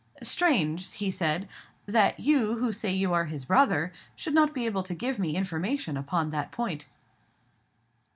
"Strange," he said, "that you, who say you are his brother, should not be able to give me information upon that point."